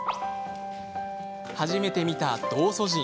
初めて見た道祖神。